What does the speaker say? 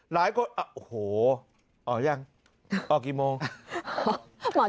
หลายคนโอ้โหออกยังออกกี่โมง